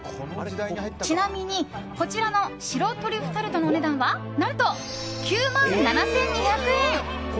ちなみに、こちらの白トリュフタルトのお値段は何と９万７２００円。